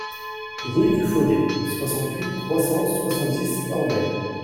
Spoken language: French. Rue du Faudé, soixante-huit, trois cent soixante-dix Orbey